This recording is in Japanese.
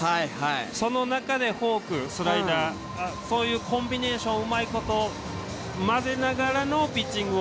その中でフォーク、スライダー、そういうコンビネーションをうまいこと混ぜながらのピッチングを。